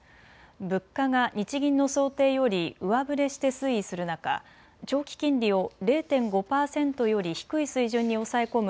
物価が日銀の想定より上振れして推移する中、長期金利を０．５％より低い水準に抑え込む